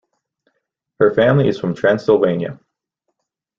Her family is from Transylvania.